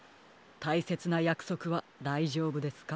たいせつなやくそくはだいじょうぶですか？